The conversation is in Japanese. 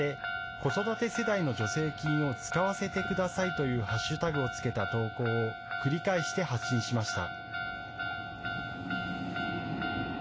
子育て世代の助成金を使わせてくださいというハッシュタグを付けた投稿を繰り返して発信しました。